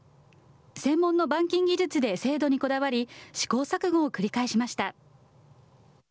専門の板金技術で精度にこだわり、試行錯誤を繰り返しました。